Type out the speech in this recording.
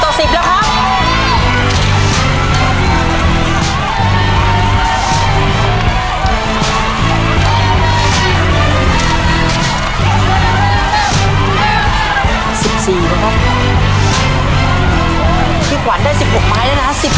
เพราะฉะนั้นก็ต้องเตียบไม่หยุดอีกเช่นกันนะครับ